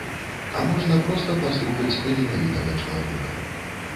А можна проста паслухаць таленавітага чалавека.